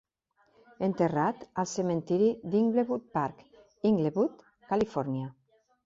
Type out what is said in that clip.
Enterrat al cementiri d'Inglewood Park, Inglewood, Califòrnia.